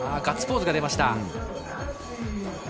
ガッツポーズが出ました。